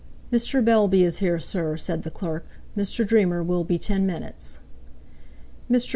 "Mr. Bellby is here, sir," said the clerk; "Mr. Dreamer will be ten minutes." Mr.